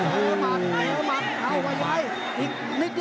อีกนิดเดียวหมดยก